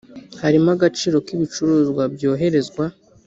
harimo agaciro k ibicuruzwa byoherezwa